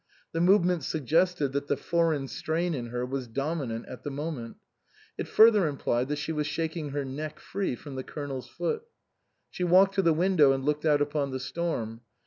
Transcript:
The move ment suggested that the foreign strain in her was dominant at the moment ; it further implied that she was shaking her neck free from the Colonel's foot. She walked to the window and looked out upon the storm.